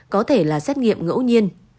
có thể là xét nghiệm ngẫu nhiên